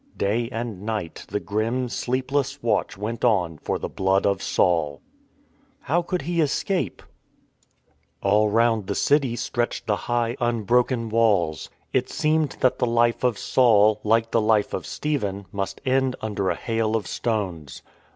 Day and night the grim, sleepless watch went on for the blood of Saul. How could he escape ? All round the city stretched 91 92 IN TRAINING the high unbroken walls. It seemed that the life of Saul, like the life of Stephen, must end under a hail of stones.